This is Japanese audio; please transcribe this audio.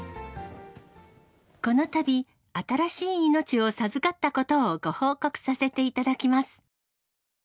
このたび、新しい命を授かったことをご報告させていただきます。